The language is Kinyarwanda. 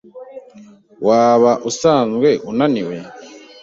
Waba usanzwe unaniwe?